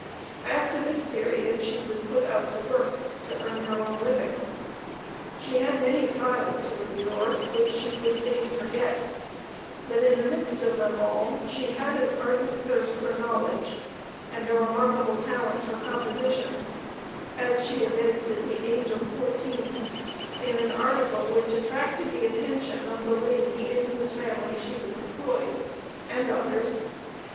After this period, she was put out to work to earn her own living. She had many trials to endure which she would fain forget; but in the midst of them all she had an ardent thirst for knowledge and a remarkable talent for composition, as she evinced at the age of fourteen in an article which attracted the attention of the lady in whose family she was employed, and others.